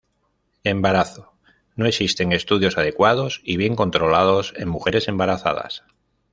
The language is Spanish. Embarazo: No existen estudios adecuados y bien controlados en mujeres embarazadas.